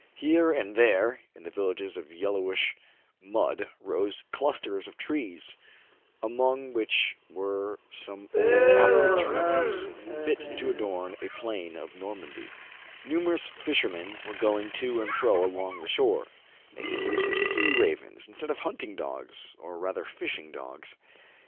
Here and there, in the villages of yel lowish mud, rose clusters of trees, among which were some old apple trees fit to adorn a plain of Normandy. KIN'FO TRAVELS AGAII^. 185 Numerous fishermen were going to and fro along the shore, making use of sea ravens instead of hunting dogs, or rather fishing dogs.